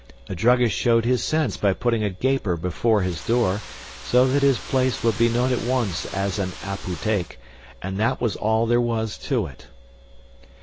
A druggist showed his sense by putting a Gaper before his door, so that his place would be known at once as an apotheek and that was all there was to it.